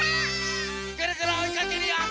ぐるぐるおいかけるよ！